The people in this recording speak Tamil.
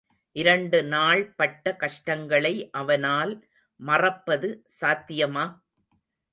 இரண்டு நாள் பட்ட கஷ்டங்களை அவனால் மறப்பது சாத்தியமா?